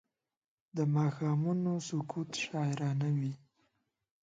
د ماښامونو سکوت شاعرانه وي